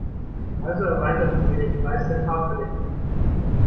Also erweiterten sie den Kreis der Tatverdächtigen.